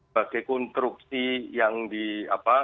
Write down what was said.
bagai konstruksi yang di apa